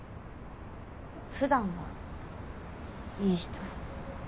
普段はいい人。